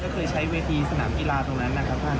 ก็เคยใช้เวทีสนามกีฬาตรงนั้นนะครับท่าน